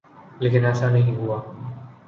لیکن ایسا نہیں ہوا۔